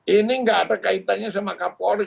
ini nggak ada kaitannya sama kapolri